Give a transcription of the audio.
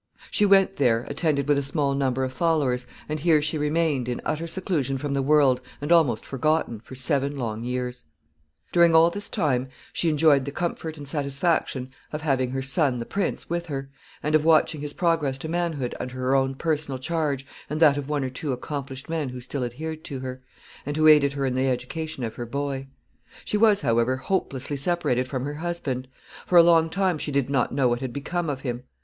She went there, attended with a small number of followers, and here she remained, in utter seclusion from the world, and almost forgotten, for seven long years. [Sidenote: The prince.] [Sidenote: Bad news from the king.] [Sidenote: His life spared.] During all this time she enjoyed the comfort and satisfaction of having her son, the prince, with her, and of watching his progress to manhood under her own personal charge and that of one or two accomplished men who still adhered to her, and who aided her in the education of her boy. She was, however, hopelessly separated from her husband. For a long time she did not know what had become of him.